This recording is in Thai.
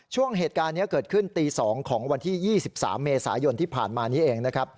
ช่วงเหตุการณ์นี้เกิดขึ้นตี๒ของวันที่๒๓เมษายนที่ผ่านมานี้เองนะครับ